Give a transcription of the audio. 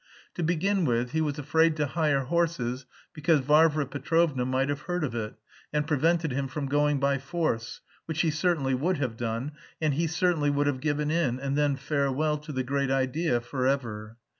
To begin with, he was afraid to hire horses because Varvara Petrovna might have heard of it and prevented him from going by force; which she certainly would have done, and he certainly would have given in, and then farewell to the great idea forever.